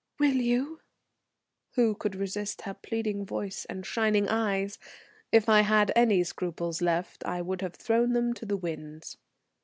"Will you?" Who could resist her pleading voice and shining eyes? If I had had any scruples left I would have thrown them to the winds.